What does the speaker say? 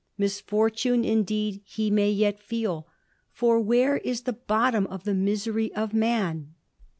Misfortune, indeed, he may yet feel; for where is the fc^ottom of the misery of man